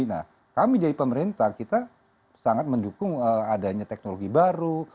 nah kami jadi pemerintah kita sangat mendukung adanya teknologi baru